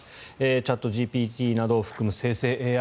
チャットＧＰＴなどを含む生成ＡＩ